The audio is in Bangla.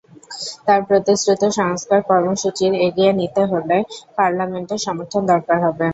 তাঁর প্রতিশ্রুত সংস্কার কর্মসূচির এগিয়ে নিতে গেলে পার্লামেন্টের সমর্থন দরকার হবে।